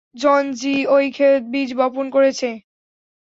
জন জি ওই ক্ষেতে বীজ বপন করেছে।